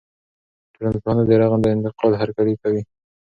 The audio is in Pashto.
ټولنپوهنه د رغنده انتقاد هرکلی کوي.